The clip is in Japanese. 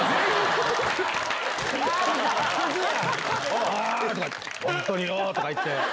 あ本当によぉ！とか言って。